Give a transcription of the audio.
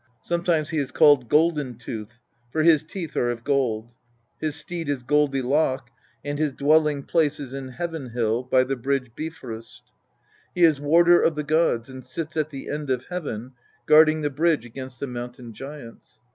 Sometimes he is called Golden tooth, tor his teeth are of gold. His steed is Goldy lock, and his dwelling place is Heaven hill, by the bridge bifrost. He is warder of the gods, and sits at the end of heaven guarding the bridge against the Mountain giants.